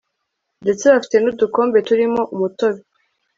ndetse bafite nudukombe turimo umutobe